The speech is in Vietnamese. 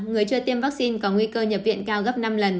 người chưa tiêm vaccine có nguy cơ nhập viện cao gấp năm lần